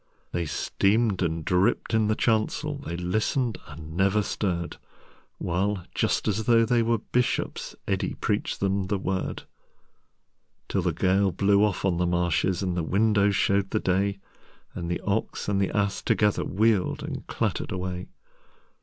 They steamed and dripped in the chancel, They listened and never stirred, While, just as though they were Bishops, Eddi preached them The Word, Till the gale blew off on the marshesAnd the windows showed the day, And the Ox and the Ass togetherWheeled and clattered away.